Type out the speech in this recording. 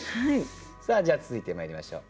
さあじゃあ続いてまいりましょう。